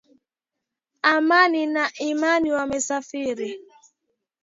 Amani na imani wamesafiri